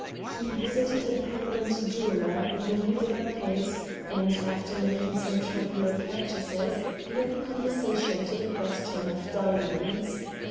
He visited a prominent jeweller in the Rue de la Paix, and, after making some trivial purchases, led the conversation to the question of diamonds.